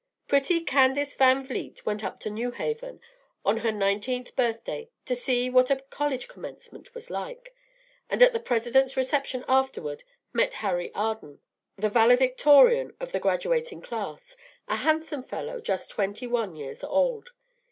Pretty Candace Van Vliet went up to New Haven on her nineteenth birthday to see what a college commencement was like, and at the President's reception afterward met Henry Arden, the valedictorian of the graduating class, a handsome fellow just twenty one years old.